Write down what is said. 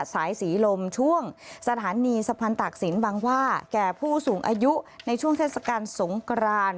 สายศรีลมช่วงสถานีสะพานตากศิลป์บางว่าแก่ผู้สูงอายุในช่วงเทศกาลสงกราน